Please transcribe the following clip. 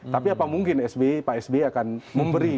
tapi apa mungkin pak sby akan memberi